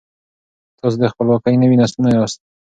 تاسو د خپلواکۍ نوي نسلونه یاست.